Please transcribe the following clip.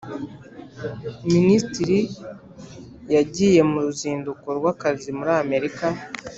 Minisitiri yagiye muruzinduko rw’akazi muri amerika